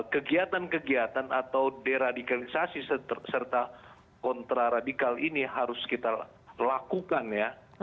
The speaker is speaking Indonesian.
kegiatan kegiatan atau deradikalisasi serta kontraradikal ini harus kita lakukan ya